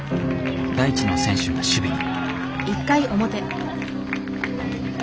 大智の選手が守備に。